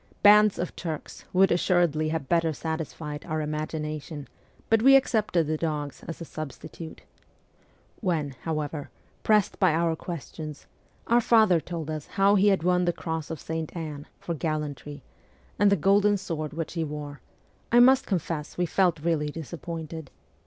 Bands of Turks would assuredly have better satisfied our imagination, but we accepted the dogs as a substitute. When, however, pressed by our questions, our father told us how he had won the cross of Saint Anne ' for gallantry,' and the golden sword which he wore, I must confess we felt really disappointed.